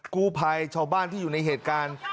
กู้ภัยชาวบ้านที่อยู่ในเหตุการณ์